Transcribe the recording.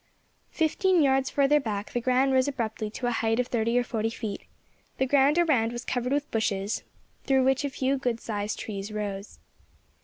Fifteen yards further back the ground rose abruptly to a height of thirty or forty feet; the ground around was covered with bushes, through which a few good sized trees rose.